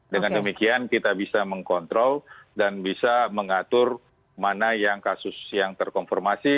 dengan demikian kita bisa mengkontrol dan bisa mengatur mana yang kasus yang terkonfirmasi